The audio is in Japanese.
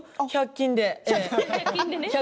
１００均で。